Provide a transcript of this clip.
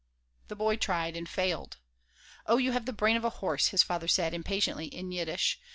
The boy tried, and failed "Oh, you have the brain of a horse!" his father said, impatiently, in Yiddish.